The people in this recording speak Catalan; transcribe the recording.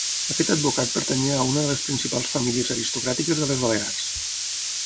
Aquest advocat pertanyia a una de les principals famílies aristocràtiques de les Balears.